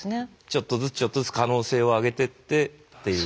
ちょっとずつちょっとずつ可能性を上げてってっていう。